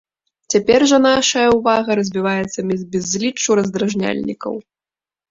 Цяпер жа нашая ўвага разбіваецца між безліччу раздражняльнікаў.